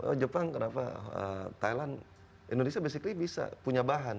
oh jepang kenapa thailand indonesia basically bisa punya bahan